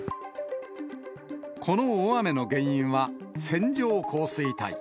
この大雨の原因は、線状降水帯。